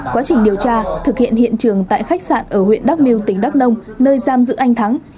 quá trình điều tra thực hiện hiện trường tại khách sạn ở huyện đắk miêu tỉnh đắk nông nơi giam giữ anh thắng